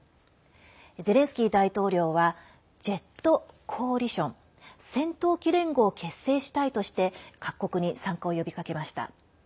ゼレンスキー大統領はジェットコーリション＝戦闘機連合を結成したいとして各国に参加を呼びかけました。